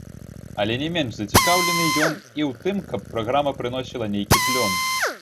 Але не менш зацікаўлены ён і ў тым, каб праграма прыносіла нейкі плён.